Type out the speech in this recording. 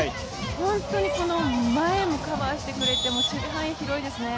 本当に前もカバーしてくれて守備範囲広いですね。